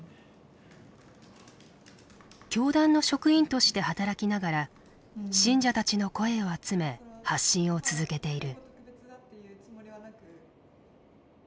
教団の職員として働きながら信者たちの声を集め発信を続けている。